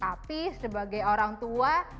tapi sebagai orang tua